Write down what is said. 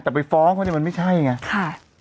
แต่ไปฟ้องเขาเนี่ยมันไม่ใช่ไงค่ะ